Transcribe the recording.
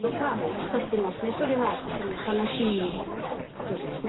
それはとても楽しいことですね。